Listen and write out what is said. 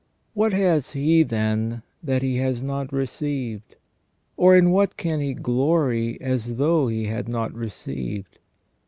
What has he, then, that he has not received ? Or in what can he glory as though he had not received